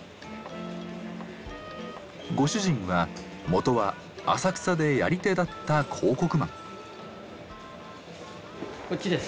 ご主人は元は浅草でやり手だった広告マン。こっちです。